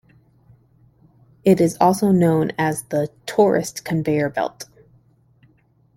It is also known as the "Tourist Conveyor belt".